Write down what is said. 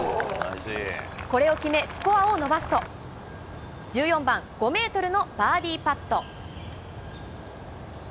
これを決め、スコアを伸ばすと、１４番、５メートルのバーディーパット。